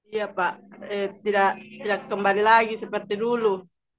iya pak tidak kembali lagi seperti dulu